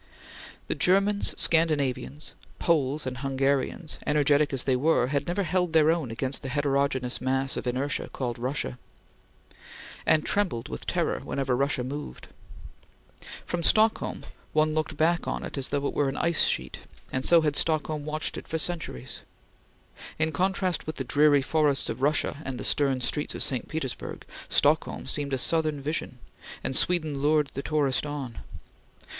The Germans, Scandinavians, Poles and Hungarians, energetic as they were, had never held their own against the heterogeneous mass of inertia called Russia, and trembled with terror whenever Russia moved. From Stockholm one looked back on it as though it were an ice sheet, and so had Stockholm watched it for centuries. In contrast with the dreary forests of Russia and the stern streets of St. Petersburg, Stockholm seemed a southern vision, and Sweden lured the tourist on.